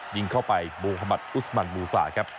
ยิงเข้าไปมุธมัติอุสมันมูซาครับ